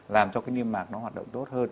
làm cho cái niêm mạc nó hoạt động tốt hơn